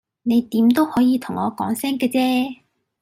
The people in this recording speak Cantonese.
你點都可以同我講聲嘅啫